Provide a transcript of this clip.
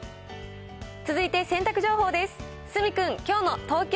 続いて洗濯情報です。